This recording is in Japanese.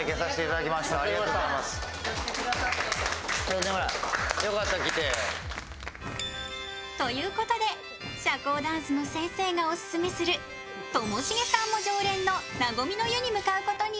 外からということで、社交ダンスの先生がオススメするともしげさんも常連のなごみの湯に向かうことに。